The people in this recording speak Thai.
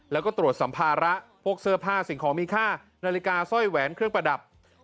แล้วก็ตรวจสัมภาระพวกเสื้อผ้าสิ่งของมีค่านาฬิกาสร้อยแหวนเครื่องประดับ